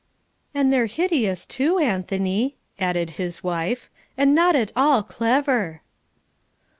"And they're hideous too, Anthony," added his wife. "And not at all clever!"